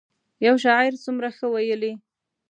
یو شاعر څومره ښه ویلي.